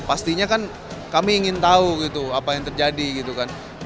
pastinya kan kami ingin tahu gitu apa yang terjadi gitu kan